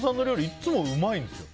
いつもうまいんですよ。